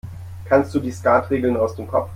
Kannst du die Skatregeln aus dem Kopf?